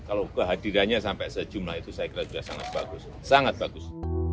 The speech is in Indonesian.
kalau kehadirannya sampai sejumlah itu saya kira sudah sangat bagus sangat bagus